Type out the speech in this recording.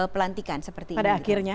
pelantikan seperti ini pada akhirnya